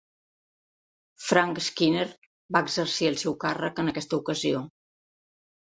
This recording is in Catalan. Frank Skinner va exercir el seu càrrec en aquesta ocasió.